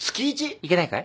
いけないかい？